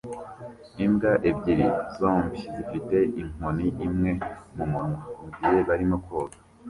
Imbwa ebyiri zombi zifite inkoni imwe mumunwa mugihe barimo koga